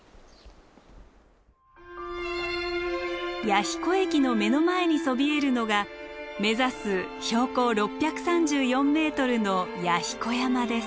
弥彦駅の目の前にそびえるのが目指す標高６３４ｍの弥彦山です。